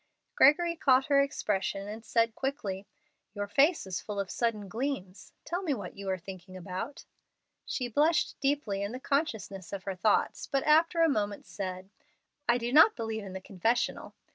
Gregory caught her expression and said, quickly: "Your face is full of sudden gleams. Tell me what you are thinking about." She blushed deeply in the consciousness of her thoughts, but after a moment said, "I do not believe in the confessional."